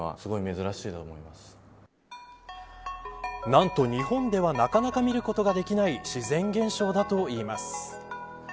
なんと、日本ではなかなか見ることができない自然現象だといいます。